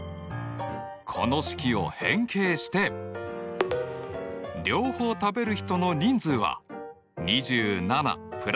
この式を変形して両方食べる人の人数は２７＋２５−３９だ。